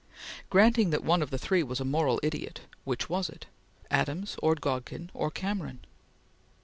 Granting that one of the three was a moral idiot, which was it: Adams or Godkin or Cameron?